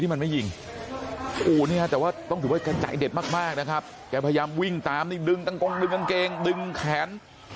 ไอเด็ดมากนะครับพยายามวิ่งตามดึงตังคงร่างเออดึงแขน